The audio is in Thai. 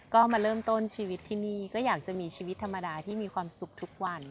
ก็มาเริ่มต้นชีวิตที่นี่ก็อยากจะมีชีวิตธรรมดาที่มีความสุขทุกวัน